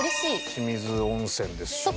清水音泉ですしね。